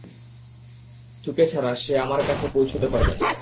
তুকে ছাড়া, সে আমার কাছে পৌঁছাতে পারবে না।